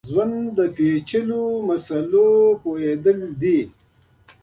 د ژوند پېچلیو مسایلو پوهېدلی دی.